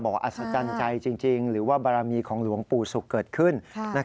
อัศจรรย์ใจจริงหรือว่าบารมีของหลวงปู่ศุกร์เกิดขึ้น